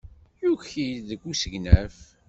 Yuki-d deg usegnaf.